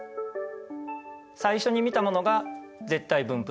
最初に見たものが絶対分布